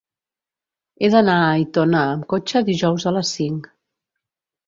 He d'anar a Aitona amb cotxe dijous a les cinc.